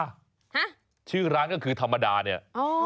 ฮะชื่อร้านก็คือธรรมดาเนี่ยอ๋อ